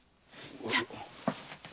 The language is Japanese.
じゃあ。